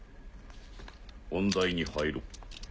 本題に入ろう。